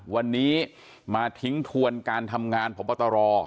วันนี้มาทิ้งทวนการทำงานพบตร